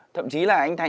thậm chí là anh thành